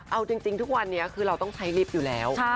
เอาจริงทุกวันนี้คือเราต้องใช้ลิฟต์อยู่แล้ว